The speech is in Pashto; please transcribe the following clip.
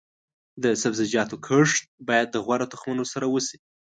د سبزیجاتو کښت باید د غوره تخمونو سره وشي.